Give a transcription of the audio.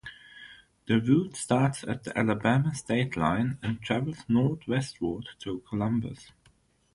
The route starts at the Alabama state line, and travels northwestward to Columbus.